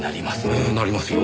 ええなりますよ。